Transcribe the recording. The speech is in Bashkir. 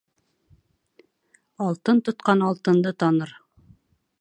Алтын тотҡан алтынды таныр